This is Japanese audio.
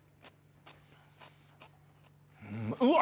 うわ！